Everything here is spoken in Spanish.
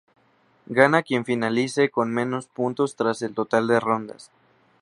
Gana quien finalice con menos puntos tras el total de rondas.